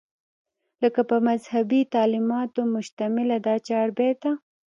لکه پۀ مذهبي تعليماتو مشتمله دا چاربېته